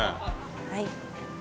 はい。